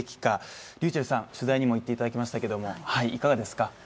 りゅうちぇるさん、取材にも行っていただきましたけどいかがですか？